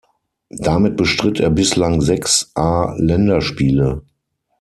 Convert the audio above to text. Damit bestritt er bislang sechs A-Länderspiele.